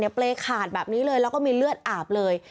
เปรย์ขาดแบบนี้เลยแล้วก็มีเลือดอาบเลย